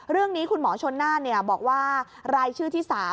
เรื่องนี้คุณหมอชนน่านบอกว่ารายชื่อที่๓